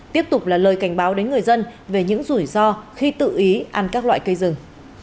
tiếp tục là lời cảnh báo đến người dân về những rủi ro khi tự ý ăn các loại cây rừng